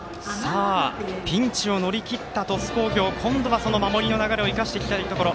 ピンチを乗り切った鳥栖工業今度は守りの流れを生かしていきたいところ。